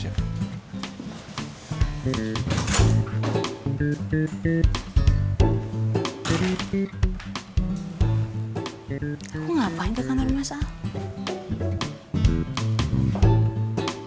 aku ngapain ke kantor mas al